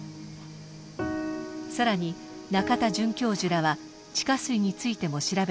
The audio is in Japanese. さらに中田准教授らは地下水についても調べてみました。